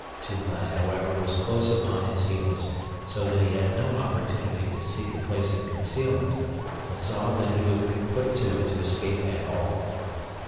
Tublat, however, was close upon his heels, so that he had no opportunity to seek a place of concealment, but saw that he would be put to it to escape at all.